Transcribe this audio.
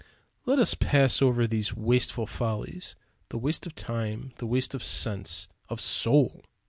Let us pass over these wasteful follies, the waste of time, the waste of sense, of soul!